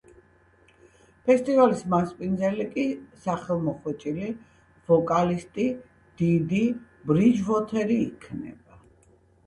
ფესტივალის მასპინძელი კი სახელმოხვეჭილი ვოკალისტი დიდი ბრიჯვოთერი იქნება.